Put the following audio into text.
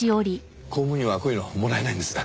公務員はこういうのもらえないんです。